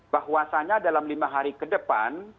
bahwasannya dalam lima hari ke depan